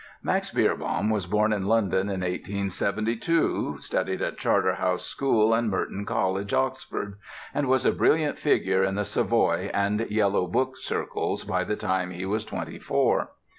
Max Beerbohm was born in London in 1872; studied at Charterhouse School and Merton College, Oxford; and was a brilliant figure in the Savoy and Yellow Book circles by the time he was twenty four.